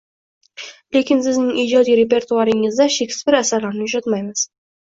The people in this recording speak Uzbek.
lekin sizning ijodiy repertuaringizda Shekspir asarlarini uchratmaymiz.